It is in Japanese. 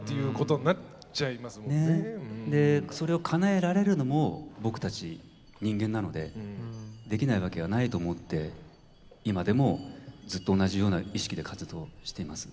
でそれをかなえられるのも僕たち人間なのでできないわけはないと思って今でもずっと同じような意識で活動しています。